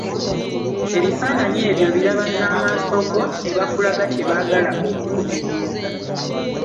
Ebifaananyi ebyo obiraba n'amaaso go, ne bakulaga kye baagala okukutegeeza.